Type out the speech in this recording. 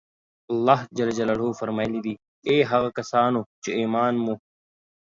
الله جل جلاله فرمایلي دي: اې هغه کسانو چې ایمان مو